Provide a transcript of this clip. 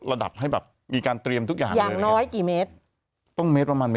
ก็แบบนี้คุณจะต้องใส่ไว้